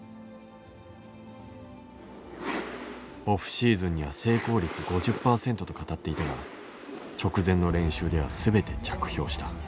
オフシーズンには成功率５０％と語っていたが直前の練習では全て着氷した。